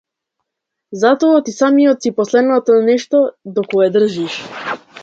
Затоа ти самиот си последното нешто до кое држиш.